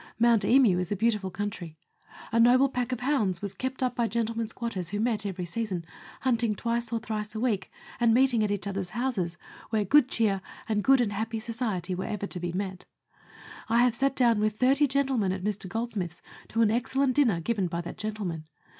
Mount Emu is a beautiful country. A noble pack of hounds was kept up by gentlemen squatters who met every season, hunting twice and thrice a week, and meeting at each other's houses, where good cheer and good and happy society were ever to be met. I have sat down with thirty gentlemen at Mr. Goldsmith's to an excellent dinner given by that gentleman.